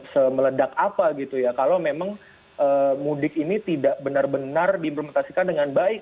semeledak apa gitu ya kalau memang mudik ini tidak benar benar diimplementasikan dengan baik